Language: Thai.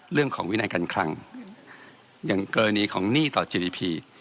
เรื่องของวินัยกันครังอย่างเกราะนี้ของหนี้ต่อจีดีพี